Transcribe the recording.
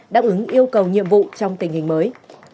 đáp ứng yêu cầu nhiệm vụ trong tình hình mới